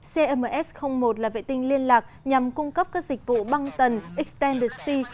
cms một là vệ tinh liên lạc nhằm cung cấp các dịch vụ băng tần extended space